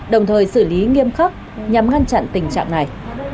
đồng thời xử lý nghiêm khắc nhằm ngăn chặn tình trạng này